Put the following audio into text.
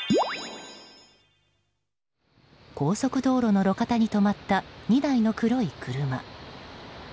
高速道路の路肩に止まった２台の黒い車。